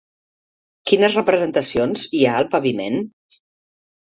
Quines representacions hi ha al paviment?